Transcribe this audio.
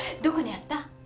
どこにあった？